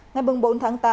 ngày bốn tháng tám